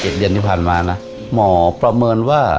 เดือนที่ผ่านมานะหมอประเมินว่า